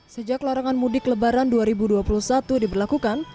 sejak larangan mudik lebaran dua ribu dua puluh satu diberlakukan